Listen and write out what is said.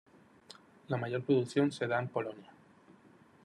La mayor producción se da en Polonia.